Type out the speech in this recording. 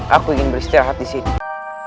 aku ingin beristirahat disini